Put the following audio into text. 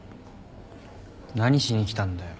何しに来たんだよ。